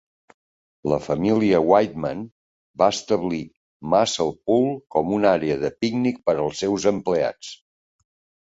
La família Whiteman va establir Mussel Pool com una àrea de pícnic per als seus empleats.